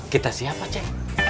kita siapa cek